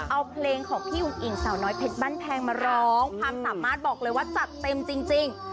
เอาเพลงของพี่อุ๋งอิ่งสาวน้อยเพชรบ้านแพงมาร้องความสามารถบอกเลยว่าจัดเต็มจริง